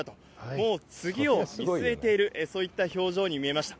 もう次を見据えている、そういった表情に見えました。